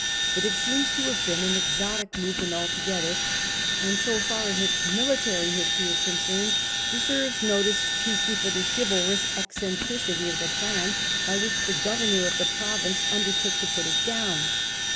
But it seems to have been an 1837. A QUIXOTE IN COMMAND. 57 exotic movement altogether, and so far as its military history is concerned, deserves notice chiefly for the chivalrous eccentricity of the plan hy which the governor of the province undertook to put it down.